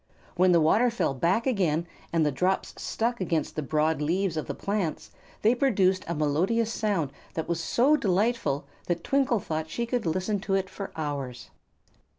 When the water fell back again and the drops struck against the broad leaves of the plants, they produced a melodious sound that was so delightful that Twinkle thought she could listen to it for hours.